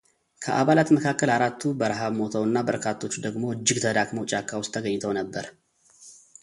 ከአባላት መካከል አራቱ በረሃብ ሞተው እና በርካቶች ደግሞ እጅግ ተዳክመው ጫካ ውስጥ ተገኝተው ነበር።